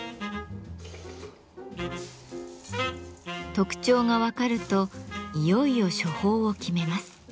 特徴が分かるといよいよ処方を決めます。